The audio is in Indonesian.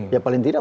ya paling tidak